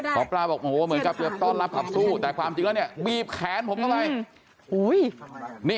หมอปลาบอกเหมือนกับตอนรับขับสู้แต่ความจริงว่าบีบแขนผมเข้าไป